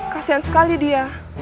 kasian sekali dia